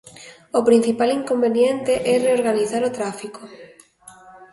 O principal inconveniente é reorganizar o tráfico.